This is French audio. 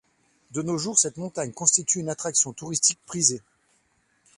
De nos jours, cette montagne constitue une attraction touristique prisée.